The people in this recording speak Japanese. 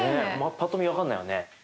ぱっと見分かんないよね。